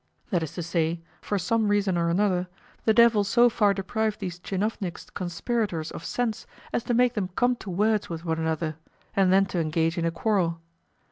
That is to say, for some reason or another the devil so far deprived these tchinovnik conspirators of sense as to make them come to words with one another, and then to engage in a quarrel.